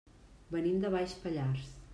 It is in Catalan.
Venim de Baix Pallars.